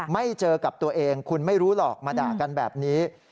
ไม่เจอกับตัวเองคุณไม่รู้หรอกมาด่ากันแบบนี้